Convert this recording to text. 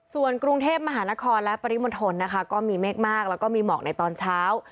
ส่วนกรุงเทพฯมหานครและปริมทรมีเมฆมากและมีหมอกในตอนเช้า